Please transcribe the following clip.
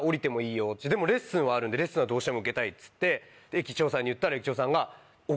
でもレッスンはあるんでどうしても受けたいっつって駅長さんに言ったら。